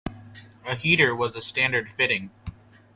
A heater was a standard fitting.